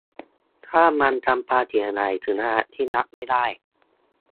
- ถ้ามันทำความเสียหายถึงระดับที่รับไม่ได้